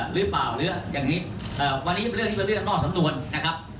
หรือเปล่าหรืออย่างนี้วันนี้เป็นเรื่องที่เขาเรียกนอกสำนวนนะครับ